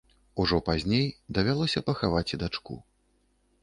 Ужо пазней давялося пахаваць і дачку.